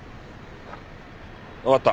わかった。